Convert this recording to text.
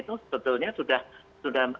itu sebetulnya sudah